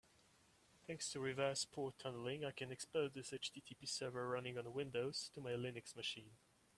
Thanks to reverse port tunneling, I can expose this HTTP server running on Windows to my Linux machine.